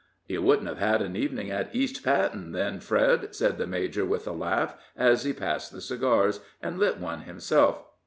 "You wouldn't have had an evening at East Patten then, Fred," said the major, with a laugh, as he passed the cigars, and lit one himself.